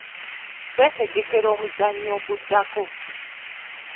Twetegekera omuzannyo oguddako.